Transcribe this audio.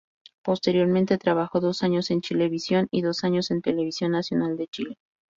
Posteriormente, trabajó dos años en Chilevisión y dos años en Televisión Nacional de Chile.